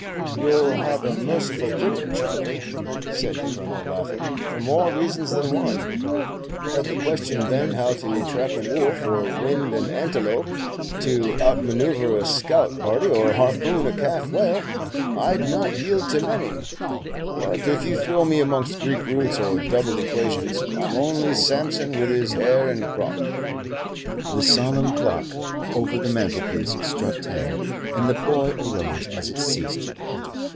"You 'll have a merciful critic, Charley," said the Colonel, laughing, "for more reasons than one. Had the question been how to track a wolf or wind an antelope, to outmanoeuvre a scout party or harpoon a calf whale, I'd not yield to many; but if you throw me amongst Greek roots or double equations, I 'm only Samson with his hair en crop!" The solemn clock over the mantelpiece struck ten, and the boy arose as it ceased.